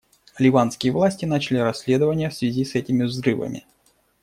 Ливанские власти начали расследование в связи с этими взрывами.